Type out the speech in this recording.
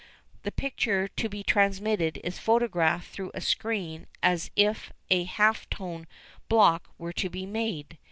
The picture to be transmitted is photographed through a screen as if a half tone block were to be made.